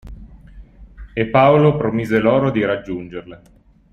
E Paolo promise loro di raggiungerle.